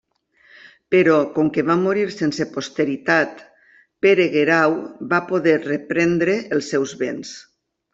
Però com que va morir sense posteritat, Pere Guerau va poder reprendre els seus béns.